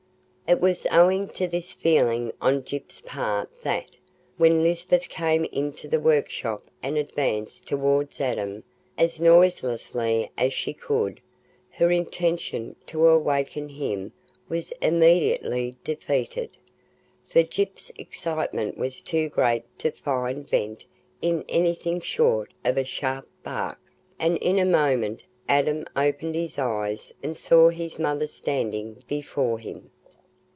It was owing to this feeling on Gyp's part that, when Lisbeth came into the workshop and advanced towards Adam as noiselessly as she could, her intention not to awaken him was immediately defeated; for Gyp's excitement was too great to find vent in anything short of a sharp bark, and in a moment Adam opened his eyes and saw his mother standing before him.